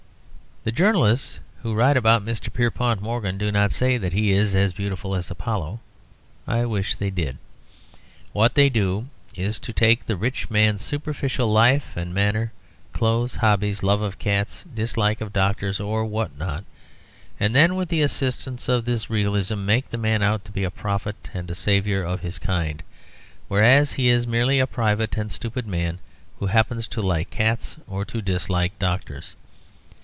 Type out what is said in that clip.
The journalists who write about Mr. Pierpont Morgan do not say that he is as beautiful as Apollo; I wish they did. What they do is to take the rich man's superficial life and manner, clothes, hobbies, love of cats, dislike of doctors, or what not; and then with the assistance of this realism make the man out to be a prophet and a saviour of his kind, whereas he is merely a private and stupid man who happens to like cats or to dislike doctors.